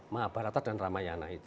maabarata dan ramayana itu